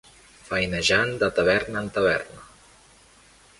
Feinejant de taverna en taverna.